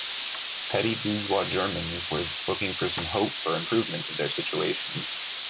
Petit bourgeois Germans were looking for some hope for improvement of their situation.